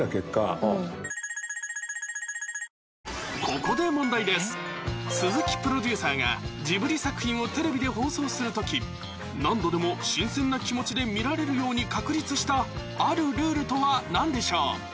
ここで鈴木プロデューサーがジブリ作品をテレビで放送する時何度でも新鮮な気持ちで見られるように確立したあるルールとは何でしょう？